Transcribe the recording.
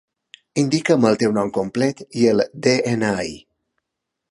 Indica'm el teu nom complet i el de-ena-i.